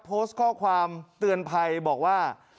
โพสต์ข้อความเตือนภัยบอกว่า